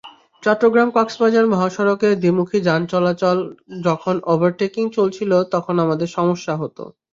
চট্টগ্রাম-কক্সবাজার মহাসড়কে দ্বিমুখী যান চলাচল, যখন ওভারটেকিং চলছিল তখন আমাদের সমস্যা হতো।